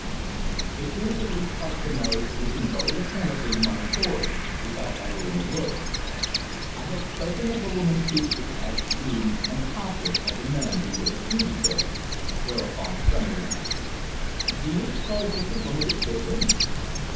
The two police functionaries listened very attentively to my story without uttering a word. I had spoken of the woman Petre as being an accomplice of the man who was a fugitive, whereupon Frémy asked: "Do you suppose that the woman is with him?"